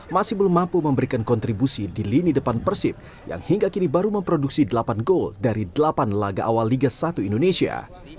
masih belum mampu memberikan kontribusi di lini depan persib yang hingga kini baru memproduksi delapan gol dari delapan laga awal liga satu indonesia